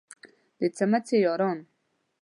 د څمڅې یاران.